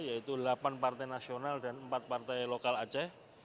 yaitu delapan partai nasional dan empat partai lokal aceh